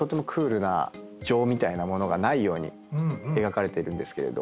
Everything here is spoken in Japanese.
情みたいなものがないように描かれてるんですけれど。